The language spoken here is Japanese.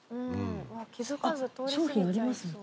あっ商品ありますね。